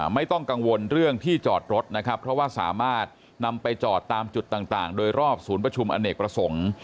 ไม่ต้องกังวลเรื่องที่จอดรถนะครับเพราะว่าสามารถนำไปจอดตามจุดต่างโดยรอบศูนย์ประชุมอเนกประสงค์